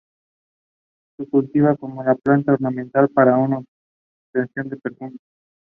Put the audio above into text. Suzuki lived in Las Vegas.